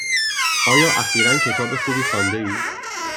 آیا اخیرا کتاب خوبی خوانده ای؟